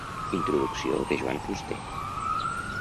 Introducció de Joan Fuster.